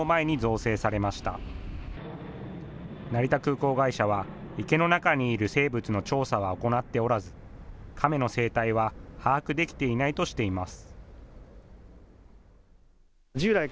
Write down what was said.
成田空港会社は池の中にいる生物の調査は行っておらず、カメの生態は把握できていないとしています。